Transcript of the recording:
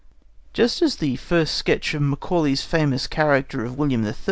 Just as the first sketch of Macaulay's famous character of William III.